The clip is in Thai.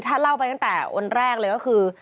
ถ้าเล่าไปตั้งแต่วันแรกเลยก็คือ